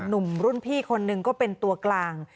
หนุ่มรุ่นพี่คนหนึ่งก็เป็นตัวกลาง